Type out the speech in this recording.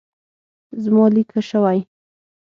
زما لیک ښه شوی.